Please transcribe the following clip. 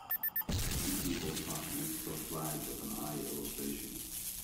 Two people talk next to a flag with an eye illustration.